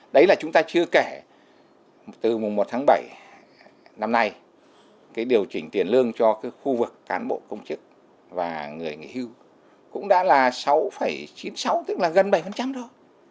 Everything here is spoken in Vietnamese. đấy là chúng ta chưa kể từ mùng một tháng bảy năm nay cái điều chỉnh tiền lương cho cái khu vực cán bộ công chức và người nghỉ hưu cũng đã là sáu chín mươi sáu tức là gần bảy thôi